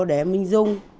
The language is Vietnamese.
để mình dùng